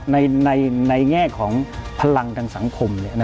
ในแง่ของพลังทางสังคม